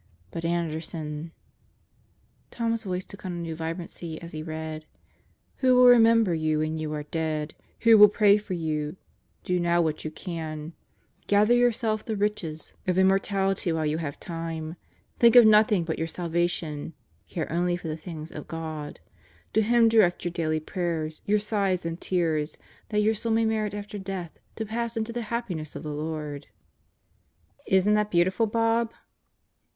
But Anderson ... Tom's voice took on a new vibrancy as he read: "Who will remember you when you are dead? Who will pray for you? Do now what you can. ... Gather for yourself the riches of im 138 God Goes to Murderers Row mortality while you have time. Think of nothing but your salva tion. Care only for the things of God. ... To Him direct your daily prayers, your sighs and tears, that your soul may merit after death to pass into the happiness of the Lord." "Isn't that beautiful, Bob?"